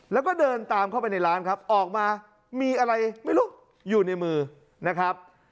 แล้วก็เดินตามเข้าไปในร้านครับออกมามีอะไรไม่รู้อยู่ในมือนะครับ